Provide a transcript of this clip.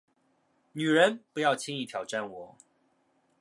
女人，不要轻易挑战我